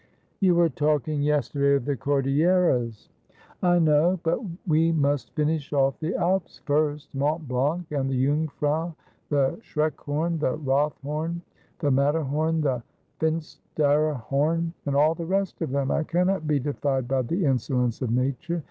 ' You were talking yesterday of the Cordilleras.' ' I know, but we must finish off the Alps first — Mont Blanc, and the Jungfrau, the Schreckhorn, the Rothhorn, the Matter horn, the Finsteraarhorn, and all the rest of them. I cannot be defied by the insolence of Nature.